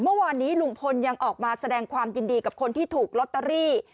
เมื่อวานนี้ลุงพลยังออกมาแสดงความยินดีกับคนที่ถูกลอตเตอรี่